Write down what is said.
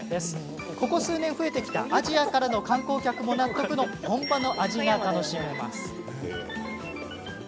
ここ数年、増えてきたアジアからの観光客も納得の本場の味が楽しめます。